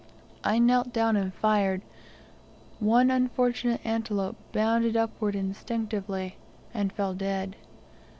I knelt down and fired; one unfortunate antelope bounded upward instinctively, and fell dead.